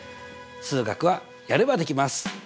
数学はやればできます！